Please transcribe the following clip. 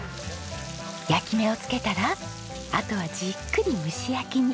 焼き目をつけたらあとはじっくり蒸し焼きに。